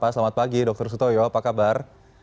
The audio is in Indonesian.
selamat pagi dr sutoyo apa kabar